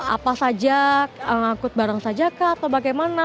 apa saja ngakut bareng saja kah atau bagaimana